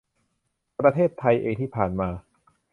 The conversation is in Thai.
ประเทศไทยเองที่ผ่านมา